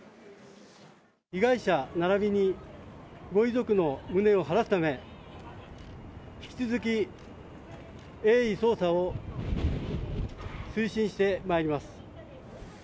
被害者ならびにご遺族の無念を晴らすため、引き続き、鋭意捜査を推進してまいります。